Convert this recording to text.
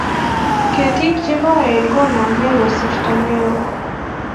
Ketik chegoen koname koristo neoo